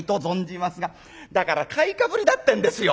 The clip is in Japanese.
「だから買いかぶりだってんですよ。